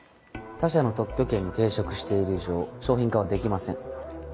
他社の特許権に抵触している以上商品化はできません。